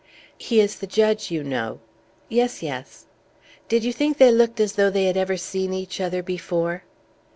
"He is the judge, you know." "Yes, yes." "Did you think they looked as though they had ever seen each other before?"